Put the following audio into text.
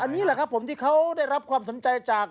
อันนี้แหละครับผมที่เขาได้รับความสนใจจาก